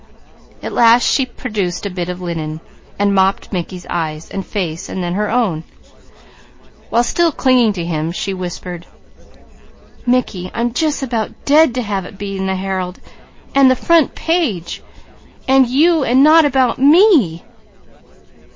At last she produced a bit of linen, and mopped Mickey's eyes and face, then her own. While still clinging to him she whispered: "Mickey, I'm jus' about dead to have it be the Herald, an' the front page, an' you, an' not about _me!